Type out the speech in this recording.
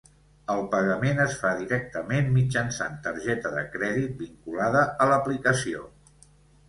El pagament es fa directament mitjançant targeta de crèdit vinculada a l’aplicació.